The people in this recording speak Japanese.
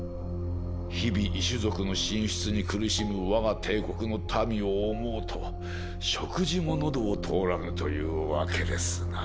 日々異種族の進出に苦しむ我が帝国の民を思うと食事も喉を通らぬというわけですなぁ。